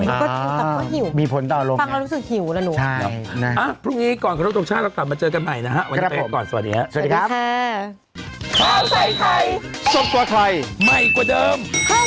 มันก็ก็หิวฟังเรารู้สึกหิวแล้วรู้มั้ยพรุ่งนี้ก่อนขอโทษตรงชาติเราต่อมาเจอกันใหม่นะฮะวันนี้เป็นก่อนสวัสดีครับ